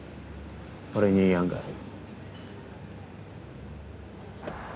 俺にいい案がある。